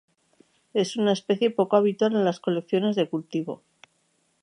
Es una especie poco habitual en las colecciones de cultivo.